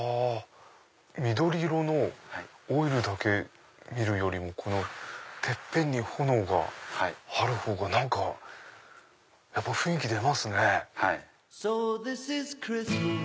緑色のオイルだけ見るよりもてっぺんに炎があるほうが雰囲気出ますね。